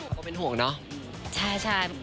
เขาเป็นห่วงเนอะ